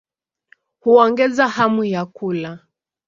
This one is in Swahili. Huongeza hamu ya kula.